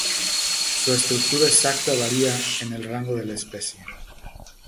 Su estructura exacta varía en el rango de la especie.